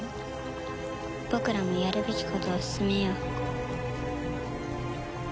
僕らもやるべきことを進めよう。